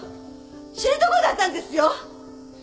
死ぬとこだったんですよ！